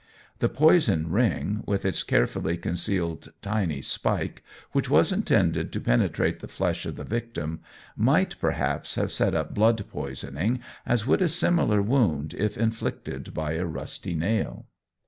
The "poison ring," with its carefully concealed tiny spike, which was intended to penetrate the flesh of the victim, might perhaps have set up blood poisoning, as would a similar wound if inflicted by a rusty nail.